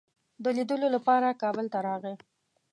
د لیدلو لپاره کابل ته راغی.